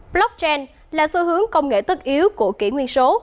blockchain là xu hướng công nghệ tất yếu của kỷ nguyên số